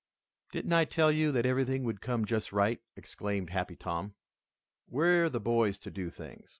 "Didn't I tell you that everything would come just right!" exclaimed Happy Tom. "We're the boys to do things.